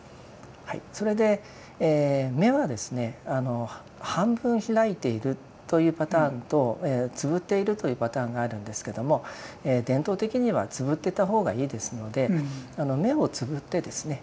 それで目はですね半分開いているというパターンとつぶっているというパターンがあるんですけども伝統的にはつぶってた方がいいですので目をつぶってですね